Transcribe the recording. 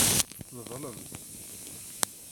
Neḍlem.